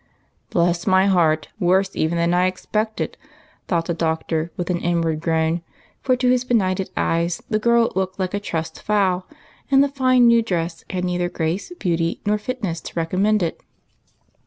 " Bless my heart ! worse even than I expected," thought the Doctor, with an inward groan, for, to his benighted eyes, the girl looked like a trussed fowl, and the line new dress had neither grace, beauty, nor fit ness to recommend it.